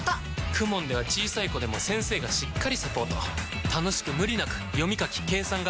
ＫＵＭＯＮ では小さい子でも先生がしっかりサポート楽しく無理なく読み書き計算が身につきます！